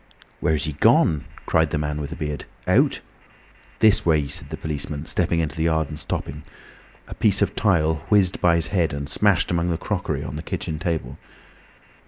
"Where's he gone?" cried the man with the beard. "Out?" "This way," said the policeman, stepping into the yard and stopping. A piece of tile whizzed by his head and smashed among the crockery on the kitchen table.